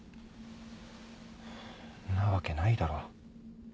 んなわけないだろ。